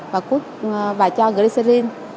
và cho glycerin